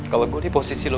kalau gue di posisi lo